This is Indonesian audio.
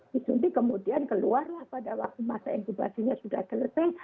disuntik kemudian keluarlah pada waktu masa inkubasinya sudah selesai